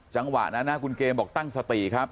จังหวะนั้นนะคุณเกมบอกตั้งสติครับ